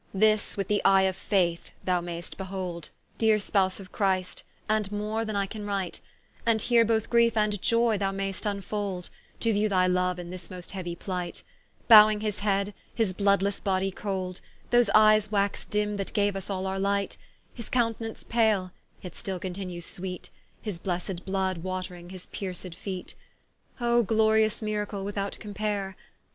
¶ This with the eie of Faith thou maist behold, Deere Spouse of Christ, and more than I can write; And here both Griefe and Ioy thou maist vnfold, To view thy Loue in this most heauy plight, Bowing his head, his bloodlesse body cold; Those eies waxe dimme that gaue vs all our light, His count'nance pale, yet still continues sweet, His blessed blood watring his pierced feet. O glorious miracle without compare!